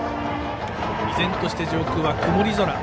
依然として上空は曇り空。